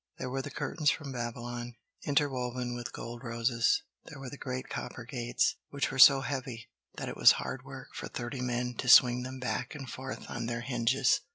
There were the curtains from Babylon, interwoven with gold roses; there were the great copper gates, which were so heavy that it was hard work for thirty men to swing them back and forth on their hinges.